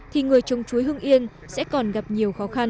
thì người trồng chuối hưng yên sẽ còn gặp nhiều khó khăn